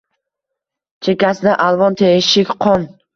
Chekkasida alvon teshik. Qon.